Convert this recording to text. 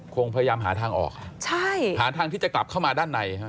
คงพยายามหาทางออกใช่หาทางที่จะกลับเข้ามาด้านในฮะ